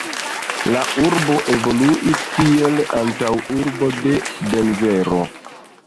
La urbo evoluis kiel antaŭurbo de Denvero.